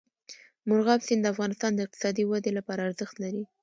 مورغاب سیند د افغانستان د اقتصادي ودې لپاره ارزښت لري.